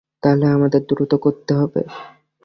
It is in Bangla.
তাহলে, আমাদের দ্রুত করতে হবে।